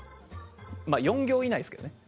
まぁ４行以内ですけどね。